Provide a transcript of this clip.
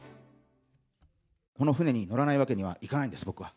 この船に乗らないわけにはいかないんです、僕は。